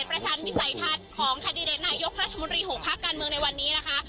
ชันวิสัยทัศน์ของแคนดิเดตนายกรัฐมนตรี๖พักการเมืองในวันนี้นะคะ